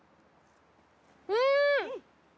うん！